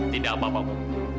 tidak apa apa bu